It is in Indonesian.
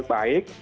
yang kami temukan